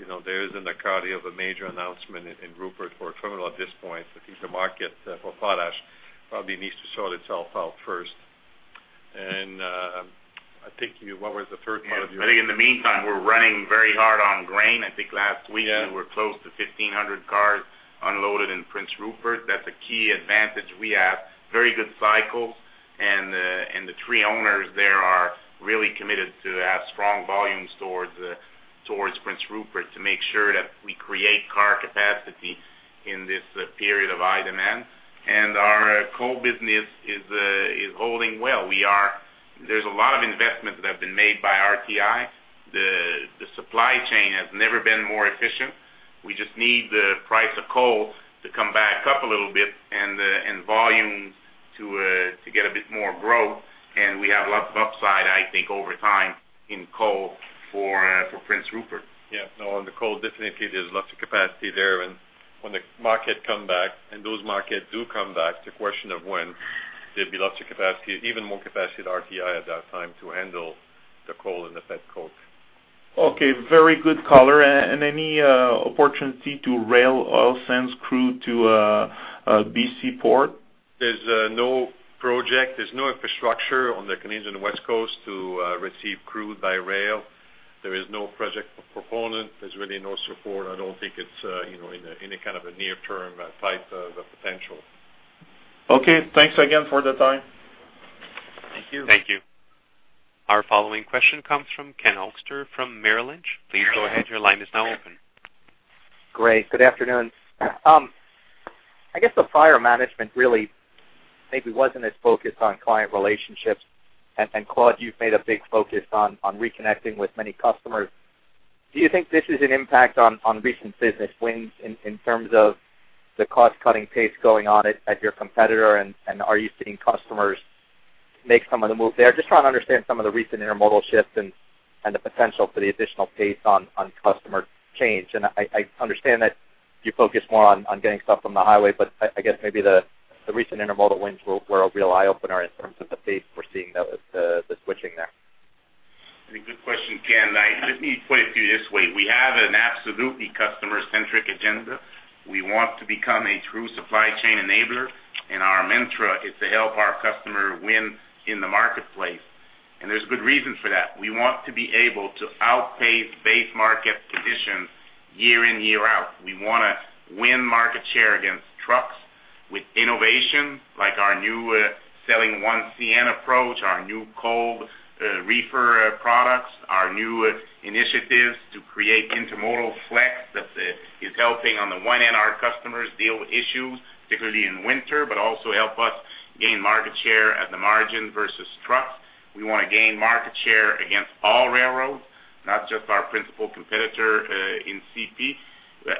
you know, there is in the cards of a major announcement in Rupert for a terminal at this point. I think the market for potash probably needs to sort itself out first.... And, I think you, what was the third part of your- I think in the meantime, we're running very hard on grain. I think last week we were close to 1,500 cars unloaded in Prince Rupert. That's a key advantage we have. Very good cycles, and the three owners there are really committed to have strong volumes towards Prince Rupert to make sure that we create car capacity in this period of high demand. And our coal business is holding well. There's a lot of investments that have been made by RTI. The supply chain has never been more efficient. We just need the price of coal to come back up a little bit and volumes to get a bit more growth. And we have a lot of upside, I think, over time in coal for Prince Rupert. Yeah. No, on the coal, definitely, there's lots of capacity there. And when the market come back, and those markets do come back, it's a question of when, there'd be lots of capacity, even more capacity at RTI at that time to handle the coal and the pet coke. Okay, very good color. Any opportunity to rail oil sands crude to a B.C. port? There's no project, there's no infrastructure on the Canadian West Coast to receive crude by rail. There is no project proponent. There's really no support. I don't think it's, you know, any kind of a near-term type of potential. Okay. Thanks again for the time. Thank you. Thank you. Our following question comes from Ken Hoexter from Merrill Lynch. Please go ahead. Your line is now open. Great. Good afternoon. I guess the prior management really maybe wasn't as focused on client relationships. And, Claude, you've made a big focus on reconnecting with many customers. Do you think this is an impact on recent business wins in terms of the cost-cutting pace going on at your competitor? And are you seeing customers make some of the moves there? Just trying to understand some of the recent intermodal shifts and the potential for the additional pace on customer change. And I understand that you focus more on getting stuff from the highway, but I guess maybe the recent intermodal wins were a real eye-opener in terms of the pace we're seeing the switching there. I mean, good question, Ken. I-- Let me put it to you this way: We have an absolutely customer-centric agenda. We want to become a true supply chain enabler, and our mantra is to help our customer win in the marketplace, and there's good reason for that. We want to be able to outpace base market conditions year in, year out. We wanna win market share against trucks with innovation, like our new selling One CN approach, our new cold reefer products, our new initiatives to create Intermodal Flex. That is helping on the one hand, our customers deal with issues, particularly in winter, but also help us gain market share at the margin versus trucks. We wanna gain market share against all railroads, not just our principal competitor in CP.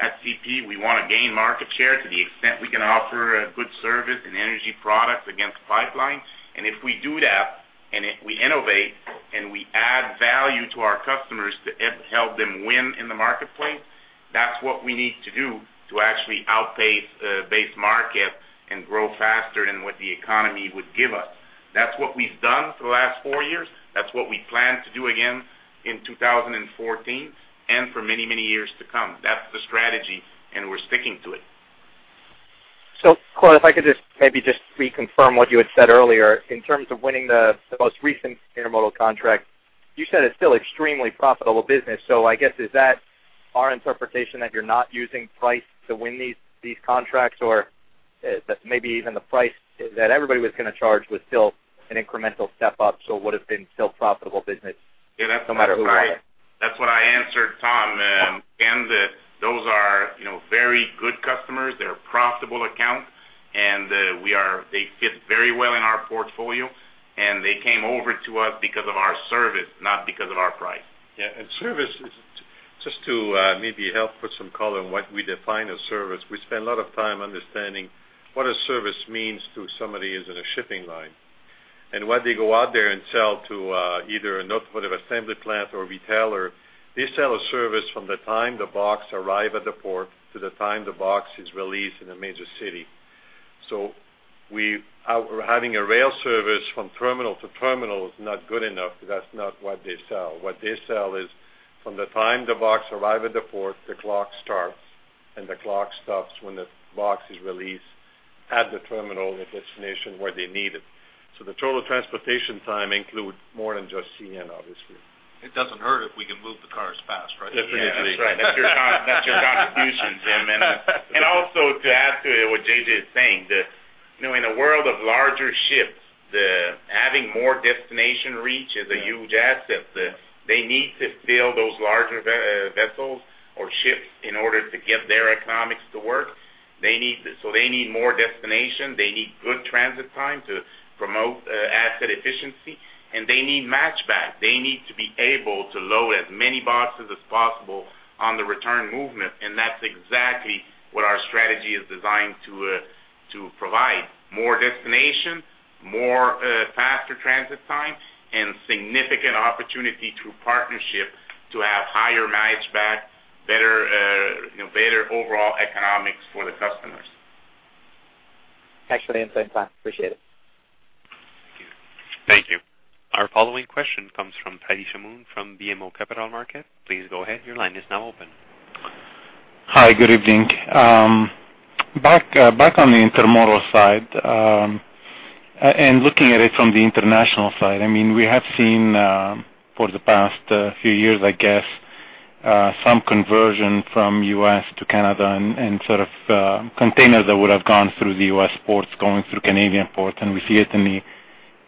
At CP, we wanna gain market share to the extent we can offer a good service and energy products against pipelines. And if we do that, and if we innovate and we add value to our customers to help them win in the marketplace, that's what we need to do to actually outpace base market and grow faster than what the economy would give us. That's what we've done for the last four years. That's what we plan to do again in 2014 and for many, many years to come. That's the strategy, and we're sticking to it. So, Claude, if I could just maybe just reconfirm what you had said earlier. In terms of winning the most recent intermodal contract, you said it's still extremely profitable business. So I guess, is that our interpretation, that you're not using price to win these contracts? Or, that maybe even the price that everybody was gonna charge was still an incremental step up, so it would have been still profitable business no matter who won it? That's what I answered Tom. And those are, you know, very good customers. They're profitable accounts, and we are-- they fit very well in our portfolio, and they came over to us because of our service, not because of our price. Yeah, and service is just to maybe help put some color on what we define as service, we spend a lot of time understanding what a service means to somebody who's in a shipping line. And when they go out there and sell to either an automotive assembly plant or retailer, they sell a service from the time the box arrive at the port to the time the box is released in a major city. So having a rail service from terminal to terminal is not good enough. That's not what they sell. What they sell is from the time the box arrive at the port, the clock starts, and the clock stops when the box is released at the terminal, the destination where they need it. So the total transportation time includes more than just CN, obviously. It doesn't hurt if we can move the cars fast, right? Definitely. That's right. That's your contribution, Jim. And also to add to what JJ is saying, that you know, in a world of larger ships, the having more destination reach is a huge asset. They need to fill those larger vessels or ships in order to get their economics to work. They need more destination. They need good transit time to promote asset efficiency, and they need match back. They need to be able to load as many boxes as possible on the return movement, and that's exactly what our strategy is designed to provide: more destination, more faster transit time, and significant opportunity through partnership to have higher match back, better you know, better overall economics for the customers. Excellent insight. Appreciate it. Thank you. Thank you. Our following question comes from Fadi Chamoun from BMO Capital Markets. Please go ahead. Your line is now open. Hi, good evening. Back on the intermodal side, and looking at it from the international side, I mean, we have seen, for the past few years, I guess, some conversion from U.S. to Canada and, and sort of, containers that would have gone through the U.S. ports, going through Canadian ports, and we see it in the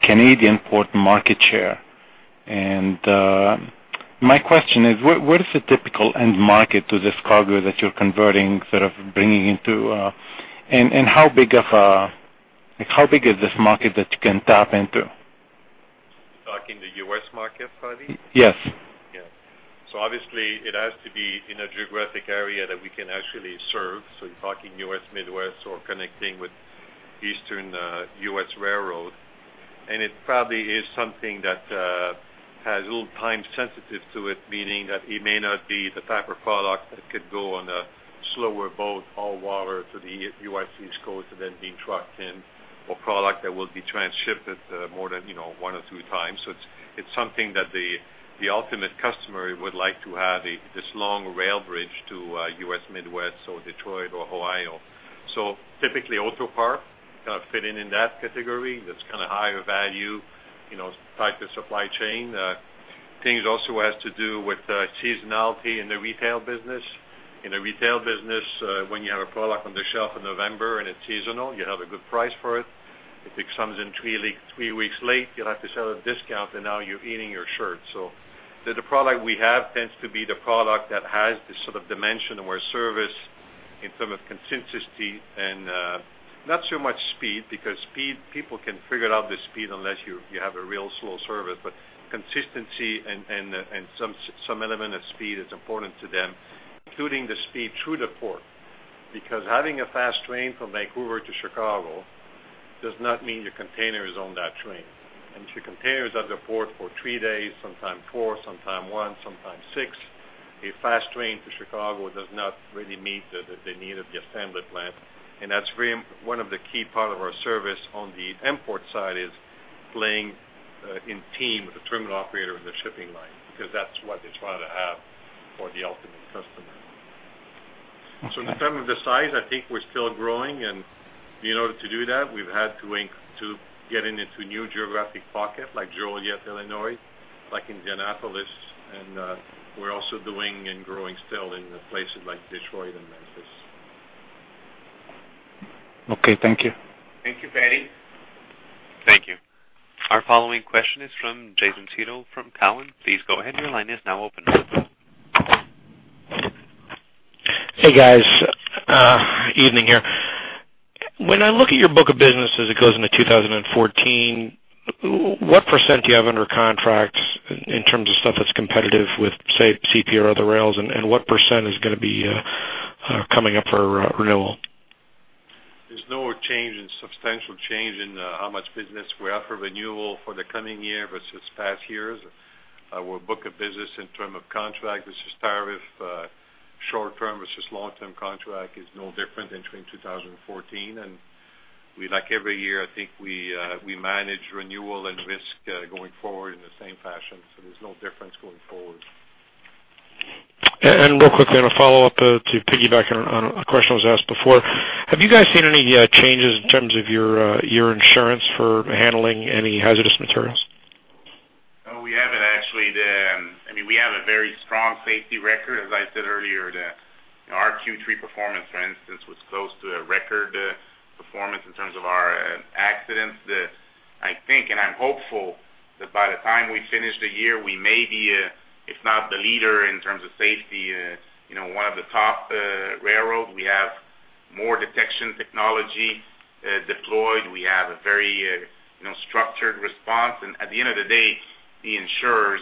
Canadian port market share. My question is, what is the typical end market to this cargo that you're converting, sort of bringing into. And, and how big of a like, how big is this market that you can tap into? You're talking the U.S. market, Fadi? Yes. Yeah. So obviously, it has to be in a geographic area that we can actually serve, so you're talking U.S., Midwest, or connecting with Eastern U.S. railroad. And it probably is something that has a little time sensitive to it, meaning that it may not be the type of product that could go on a slower boat, all water, to the U.S. East Coast and then being trucked in, or product that will be transshipped more than, you know, one or two times. So it's, it's something that the, the ultimate customer would like to have a, this long rail bridge to, U.S. Midwest or Detroit or Ohio. So typically, auto part, fit in, in that category. That's kind of higher value, you know, type of supply chain. Things also has to do with, seasonality in the retail business. In a retail business, when you have a product on the shelf in November and it's seasonal, you have a good price for it. If it comes in three weeks late, you'll have to sell at a discount, and now you're eating your shirt. So the product we have tends to be the product that has this sort of dimension where service in terms of consistency and not so much speed, because speed, people can figure out the speed unless you have a real slow service. But consistency and some element of speed is important to them, including the speed through the port. Because having a fast train from Vancouver to Chicago does not mean your container is on that train. If your container is at the port for three days, sometimes four, sometimes one, sometimes six, a fast train to Chicago does not really meet the need of the assembly plant. And that's one of the key part of our service on the import side, is playing in team with the terminal operator and the shipping line, because that's what they're trying to have for the ultimate customer. So in terms of the size, I think we're still growing, and in order to do that, we've had to to get into new geographic pocket, like Joliet, Illinois, like Indianapolis, and we're also doing and growing still in places like Detroit and Memphis. Okay, thank you. Thank you, Fadi. Thank you. Our following question is from Jason Seidl from Cowen. Please go ahead, your line is now open. Hey, guys, evening here. When I look at your book of business as it goes into 2014, what percent do you have under contracts in terms of stuff that's competitive with, say, CP or other rails, and what percent is gonna be coming up for renewal? There's no change in substantial change in how much business we offer renewal for the coming year versus past years. We're booking business in terms of contract versus tariff, short term versus long-term contract is no different between 2014. And we, like every year, I think we, we manage renewal and risk going forward in the same fashion, so there's no difference going forward. And real quickly, on a follow-up, to piggyback on a question that was asked before, have you guys seen any changes in terms of your insurance for handling any hazardous materials? No, we haven't actually. I mean, we have a very strong safety record. As I said earlier, our third quarter performance, for instance, was close to a record performance in terms of our accidents. I think, and I'm hopeful, that by the time we finish the year, we may be, if not the leader in terms of safety, you know, one of the top railroad. We have more detection technology deployed. We have a very, you know, structured response. And at the end of the day, the insurers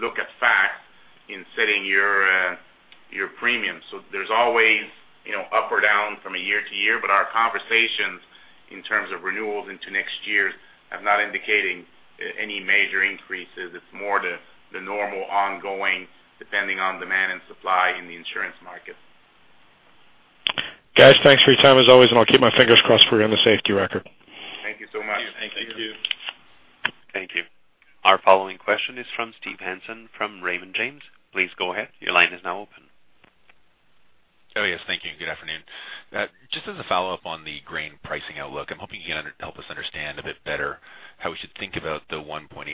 look at facts in setting your premiums. So there's always, you know, up or down from a year to year, but our conversations in terms of renewals into next years are not indicating any major increases. It's more the normal ongoing, depending on demand and supply in the insurance market. Guys, thanks for your time as always, and I'll keep my fingers crossed for you on the safety record. Thank you so much. Thank you. Thank you. Thank you. Our following question is from Steve Hansen, from Raymond James. Please go ahead, your line is now open. Oh, yes, thank you, and good afternoon. Just as a follow-up on the grain pricing outlook, I'm hoping you can help us understand a bit better how we should think about the 1.8%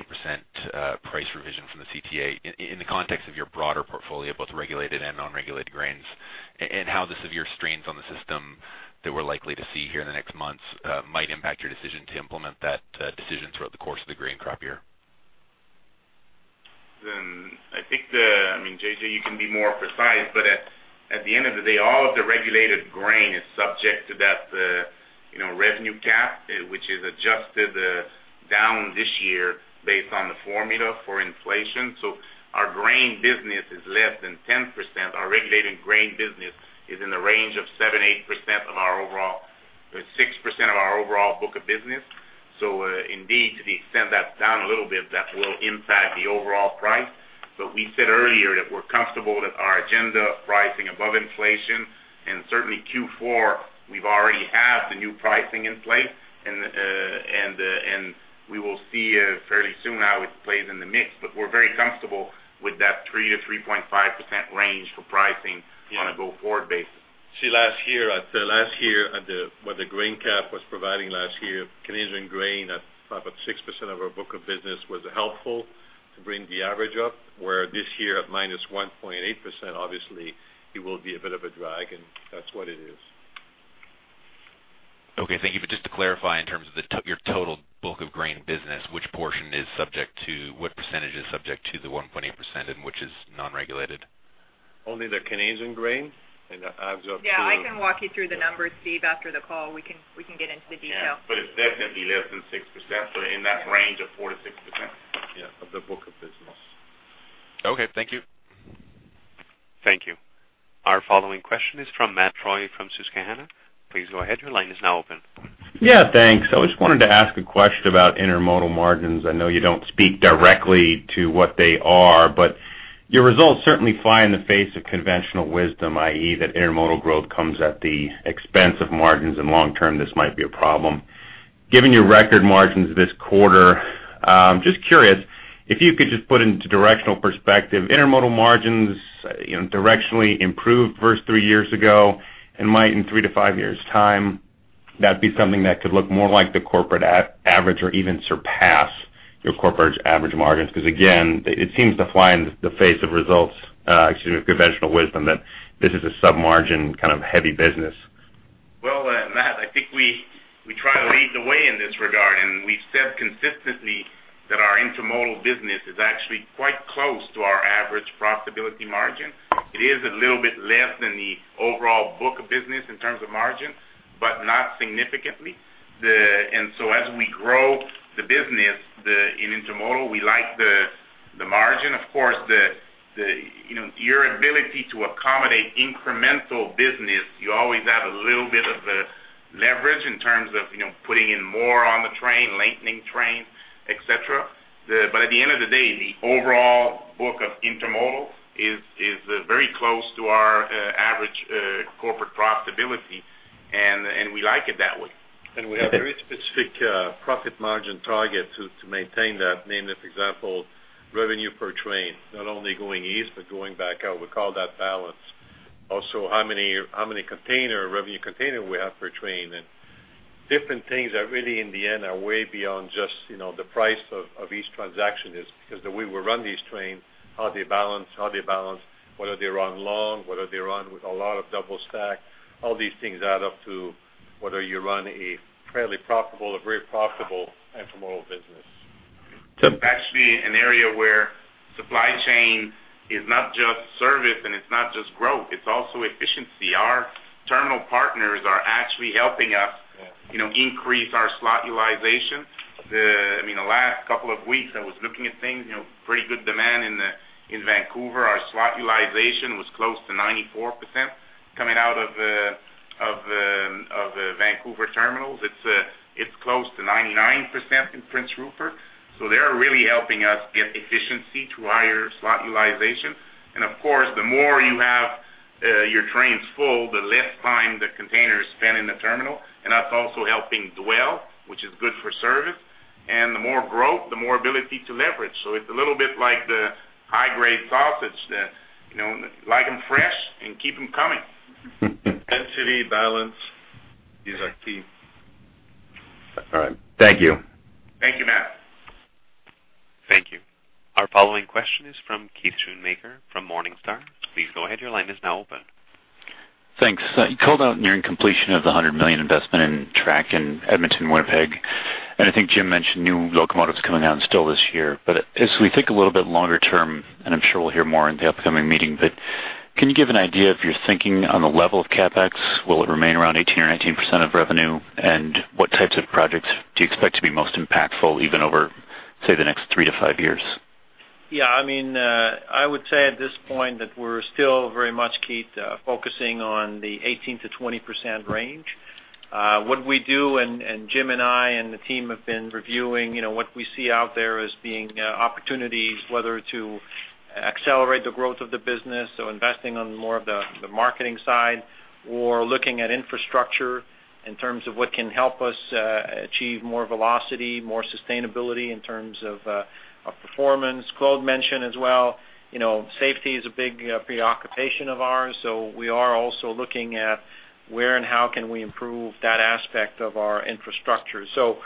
price revision from the CTA, in the context of your broader portfolio, both regulated and non-regulated grains, and how the severe strains on the system that we're likely to see here in the next months might impact your decision to implement that decision throughout the course of the grain crop year? Then I think, I mean, JJ, you can be more precise, but at the end of the day, all of the regulated grain is subject to that, you know, revenue cap, which is adjusted down this year based on the formula for inflation. So our grain business is less than 10%. Our regulated grain business is in the range of 7%-8% of our overall, 6% of our overall book of business. So, indeed, to the extent that's down a little bit, that will impact the overall price. But we said earlier that we're comfortable that our agenda of pricing above inflation, and certainly Q4, we've already have the new pricing in place. And we will see, fairly soon how it plays in the mix. But we're very comfortable with that 3%-3.5% range for pricing. Yeah. On a go-forward basis. See, last year at the what the grain cap was providing last year, Canadian grain at about 6% of our book of business was helpful to bring the average up, where this year, at -1.8%, obviously, it will be a bit of a drag, and that's what it is. Okay, thank you. But just to clarify, in terms of the, your total book of grain business, which portion is subject to, what percentage is subject to the 1.8%, and which is non-regulated? Only the Canadian grain, and that adds up to Yeah, I can walk you through the numbers, Steve, after the call. We can, we can get into the detail. Yeah, but it's definitely less than 6%, but in that range of 4%-6%, yeah, of the book of business. Okay, thank you. Thank you. Our following question is from Matt Troy, from Susquehanna. Please go ahead. Your line is now open. Yeah, thanks. I just wanted to ask a question about intermodal margins. I know you don't speak directly to what they are, but your results certainly fly in the face of conventional wisdom, i.e., that intermodal growth comes at the expense of margins, and long-term, this might be a problem. Given your record margins this quarter, just curious, if you could just put into directional perspective, intermodal margins, you know, directionally improved versus three years ago, and might in three to five years time, that'd be something that could look more like the corporate average or even surpass your corporate average margins. Because, again, it seems to fly in the face of results, excuse me, conventional wisdom, that this is a sub-margin kind of heavy business. Well, Matt, I think we try to lead the way in this regard, and we've said consistently that our intermodal business is actually quite close to our average profitability margin. It is a little bit less than the overall book of business in terms of margin, but not significantly. And so as we grow the business in intermodal, we like the margin. Of course, you know, your ability to accommodate incremental business, you always have a little bit of the leverage in terms of, you know, putting in more on the train, lengthening trains, et cetera. But at the end of the day, the overall book of intermodal is very close to our average corporate profitability, and we like it that way. And we have a very specific profit margin target to maintain that. For example, revenue per train, not only going east, but going back out. We call that balance. Also, how many, how many container, revenue container we have per train, and different things that really, in the end, are way beyond just, you know, the price of, of each transaction is. Because the way we run these trains, how they balance, how they balance, whether they run long, whether they run with a lot of double stack, all these things add up to whether you run a fairly profitable or very profitable intermodal business. So actually, an area where supply chain is not just service, and it's not just growth, it's also efficiency. Our terminal partners are actually helping us—Yeah... you know, increase our slot utilization. The, I mean, the last couple of weeks, I was looking at things, you know, pretty good demand in the, in Vancouver. Our slot utilization was close to 94% coming out of the Vancouver terminals. It's close to 99% in Prince Rupert. So they're really helping us get efficiency through higher slot utilization. And of course, the more you have your trains full, the less time the containers spend in the terminal, and that's also helping dwell, which is good for service. And the more growth, the more ability to leverage. So it's a little bit like the high-grade sausage, you know, like them fresh and keep them coming. Density balance is our key. All right. Thank you. Thank you, Matt. Thank you. Our following question is from Keith Schoonmaker, from Morningstar. Please go ahead. Your line is now open. Thanks. You called out nearing completion of the $100 million investment in track in Edmonton, Winnipeg, and I think Jim mentioned new locomotives coming out still this year. But as we think a little bit longer term, and I'm sure we'll hear more in the upcoming meeting, but can you give an idea of your thinking on the level of CapEx? Will it remain around 18% or 19% of revenue? And what types of projects do you expect to be most impactful, even over, say, the next three to five years? Yeah, I mean, I would say at this point that we're still very much, Keith, focusing on the 18%-20% range. What we do, and Jim and I, and the team have been reviewing, you know, what we see out there as being opportunities, whether to accelerate the growth of the business, so investing on more of the marketing side, or looking at infrastructure in terms of what can help us achieve more velocity, more sustainability in terms of performance. Claude mentioned as well, you know, safety is a big preoccupation of ours, so we are also looking at where and how can we improve that aspect of our infrastructure. So,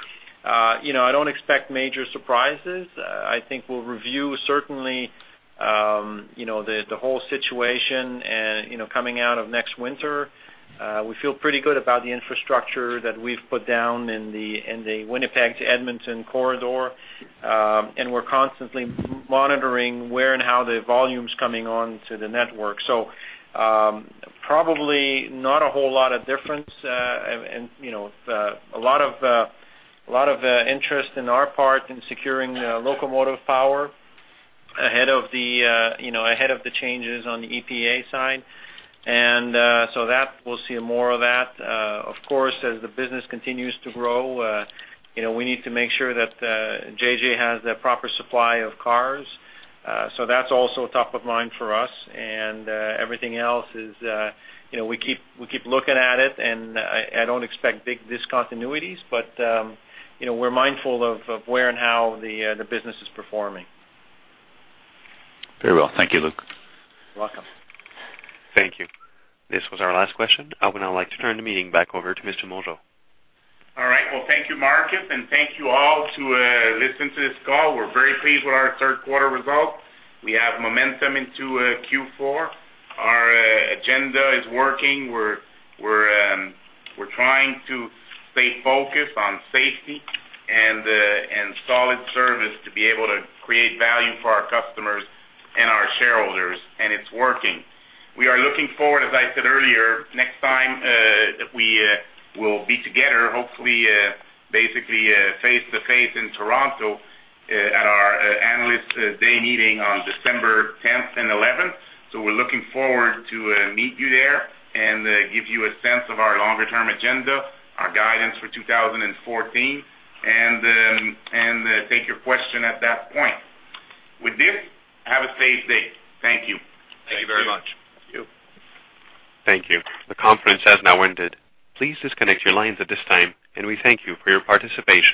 you know, I don't expect major surprises. I think we'll review, certainly, you know, the whole situation and, you know, coming out of next winter. We feel pretty good about the infrastructure that we've put down in the Winnipeg to Edmonton corridor, and we're constantly monitoring where and how the volume's coming onto the network. So, probably not a whole lot of difference, and, you know, a lot of interest on our part in securing locomotive power ahead of the, you know, ahead of the changes on the EPA side. So that, we'll see more of that. Of course, as the business continues to grow, you know, we need to make sure that JJ has the proper supply of cars. So that's also top of mind for us, and everything else is, you know, we keep, we keep looking at it, and I don't expect big discontinuities, but, you know, we're mindful of where and how the business is performing. Very well. Thank you, Luc. You're welcome. Thank you. This was our last question. I would now like to turn the meeting back over to Mr. Mongeau. All right. Well, thank you, Marcus, and thank you all who listened to this call. We're very pleased with our third quarter results. We have momentum into Q4. Our agenda is working. We're trying to stay focused on safety and solid service to be able to create value for our customers and our shareholders, and it's working. We are looking forward, as I said earlier, next time that we will be together, hopefully basically face-to-face in Toronto at our Analyst Day meeting on December 10th and 11th. So we're looking forward to meet you there and give you a sense of our longer-term agenda, our guidance for 2014, and take your question at that point. With this, have a safe day. Thank you. Thank you very much. Thank you. Thank you. The conference has now ended. Please disconnect your lines at this time, and we thank you for your participation.